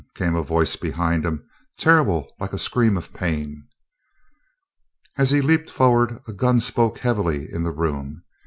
came a voice behind him, terrible, like a scream of pain. As he leaped forward a gun spoke heavily in the room.